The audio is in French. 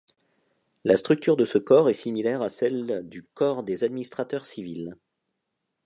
La structure de ce corps est similaire à celle du corps des administrateurs civils.